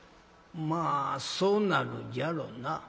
「まあそうなるじゃろな」。